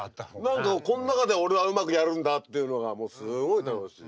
何かこの中で俺はうまくやるんだっていうのがもうすごい楽しい。